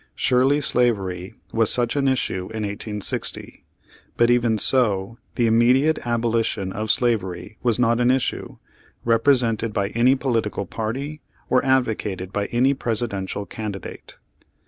Surely slavery was such an issue in 1860, but even so, the immediate abolition of slavery was not an issue, represented by any po litical party, or advocated by any Presidential candidate.